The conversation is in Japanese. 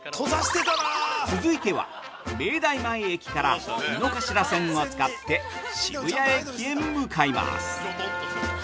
続いては、明大前駅から井の頭線を使って渋谷駅へ向かいます。